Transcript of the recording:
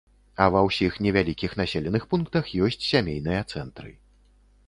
А ва ўсіх невялікіх населеных пунктах ёсць сямейныя цэнтры.